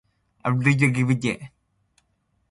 etqurnilarquq